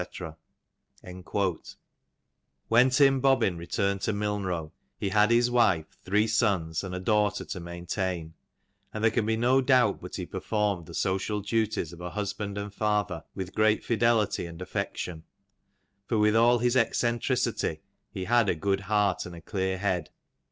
'' When Tim Bobbin returned to Milnrow, he had his wife, three sons, and a daughter to maintain, and there can be no doubt but he performed the social duties of a husband and father with great fidelity and affection ; for with all his eccen tricity he had a good heart and a clear head.